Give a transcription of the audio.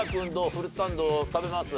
フルーツサンド食べます？